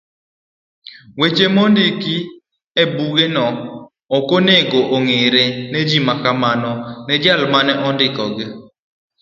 Weche mondiki ebugego okonego ong'ere ne ji makmana ne jal mane ondikogi.